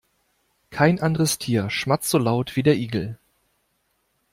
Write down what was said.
Kein anderes Tier schmatzt so laut wie der Igel.